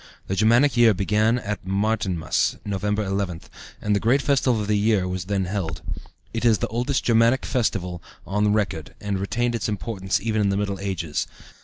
The Germanic year began at Martinmas (November 11th), and the great festival of the year was then held. It is the oldest Germanic festival on record, and retained its importance even in the Middle Ages.